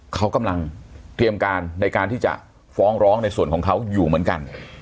เขากำลังเตรียมการในการที่จะฟ้องร้องในส่วนของเขาอยู่เหมือนกัน